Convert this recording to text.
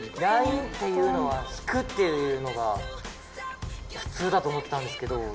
ラインっていうのは引くっていうのが普通だと思ってたんですけど。